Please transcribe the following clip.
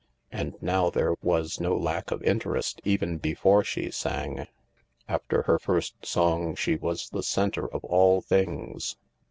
And now there was no lack of interest— even before she sang. After her first song she was the centre of all things.